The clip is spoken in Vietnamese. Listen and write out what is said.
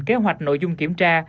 kế hoạch nội dung kiểm tra